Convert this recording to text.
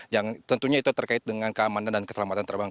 yang tentunya itu terkait dengan keamanan dan keselamatan terbang